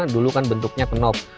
dulu kan bentuknya knob